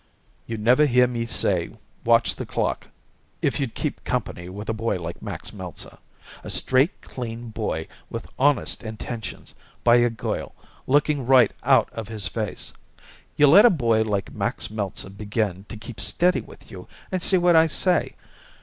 "You'd never hear me say watch the clock if you'd keep company with a boy like Max Meltzer. A straight, clean boy with honest intentions by a girl lookin' right out of his face. You let a boy like Max Meltzer begin to keep steady with you and see what I say.